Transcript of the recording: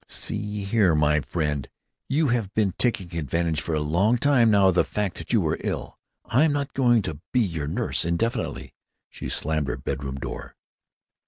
"See here, my friend, you have been taking advantage for a long time now of the fact that you were ill. I'm not going to be your nurse indefinitely." She slammed her bedroom door.